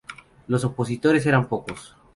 Los opositores eran pocos.